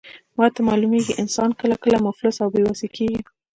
ماته معلومیږي، انسان کله کله مفلس او بې وسه کیږي.